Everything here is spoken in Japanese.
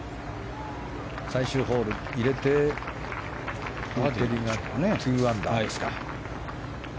最終ホール、入れてフリテリが２アンダーですか。